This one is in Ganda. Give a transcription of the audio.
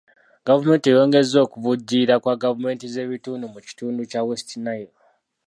Gavumenti eyongezza okuvujjirira kwa gavumenti z'ebitundu mu kitundu kya West Nile.